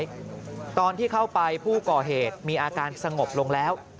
ตอนนี้ตอนที่เข้าไปผู้ก่อเหตุมีอาการสงบลงแล้ว